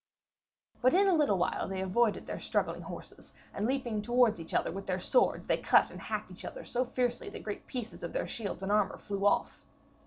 But in a little while they avoided their struggling horses, and leaping towards each other with their swords, they cut and hacked each the other so fiercely that great pieces of their shields and armour flew off.